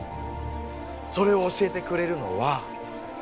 それを教えてくれるのは。